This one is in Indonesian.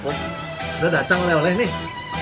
udah datang oleh oleh nih